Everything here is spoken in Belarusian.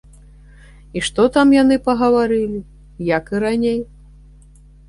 І што там яны пагаварылі, як і раней!